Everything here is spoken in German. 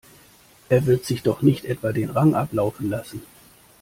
Er wird sich doch nicht etwa den Rang ablaufen lassen?